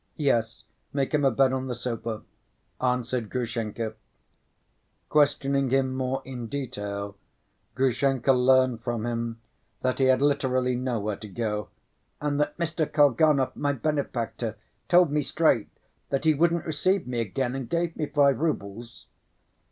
"Yes; make him a bed on the sofa," answered Grushenka. Questioning him more in detail, Grushenka learned from him that he had literally nowhere to go, and that "Mr. Kalganov, my benefactor, told me straight that he wouldn't receive me again and gave me five roubles."